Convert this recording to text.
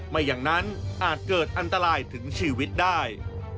ไม่อย่างนั้นอาจเกิดอันตรายถึงชีวิตได้